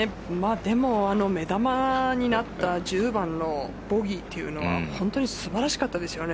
でも目玉になった１０番のボギーっていうのは本当に素晴らしかったですよね。